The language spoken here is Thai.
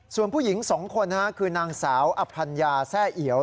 ส่วนผู้หญิง๒คนคือนางสาวอภัญญาแซ่เอียว